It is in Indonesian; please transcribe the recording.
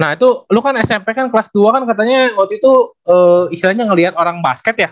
nah itu lu kan smp kan kelas dua kan katanya waktu itu istilahnya ngeliat orang basket ya